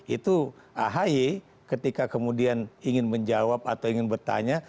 itu ahy ketika kemudian ingin menjawab atau ingin bertanya